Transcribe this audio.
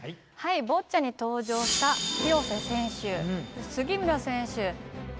「ボッチャ」に登場した廣瀬選手、杉村選手。